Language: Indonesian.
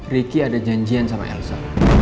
ricky ada janjian sama elsa